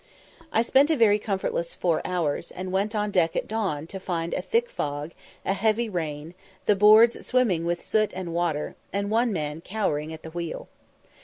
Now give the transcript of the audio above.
I spent a very comfortless four hours, and went on deck at dawn to find a thick fog, a heavy rain, the boards swimming with soot and water, and one man cowering at the wheel.